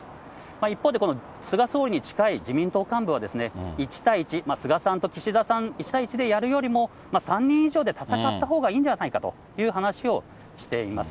一方で、この菅総理に近い自民党幹部は、１対１、菅さんと岸田さん１対１でやるよりも、３人以上で戦ったほうがいいんではないかという話をしています。